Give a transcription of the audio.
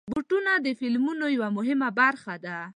بوټونه د فلمونو یوه مهمه برخه ده.